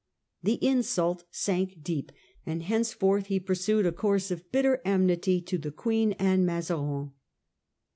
* The insult sank deep, and hence forth he pursued a course of bitter enmity to the Queen and Mazarin.